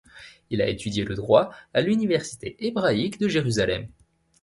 Il a étudié le droit à l'université hébraïque de Jérusalem.